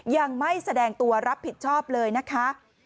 ยังไม่แสดงตัวรับผิดชอบเลยนะคะ